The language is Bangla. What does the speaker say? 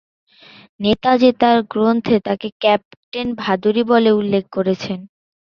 নেতাজী তার গ্রন্থে তাকে ক্যাপ্টেন ভাদুড়ী বলে উল্লেখ করেছেন।